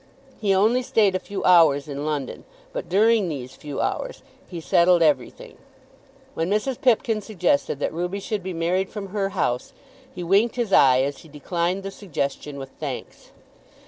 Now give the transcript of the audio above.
He only stayed a few hours in London, but during these few hours he settled everything. When Mrs. Pipkin suggested that Ruby should be married from her house, he winked his eye as he declined the suggestion with thanks.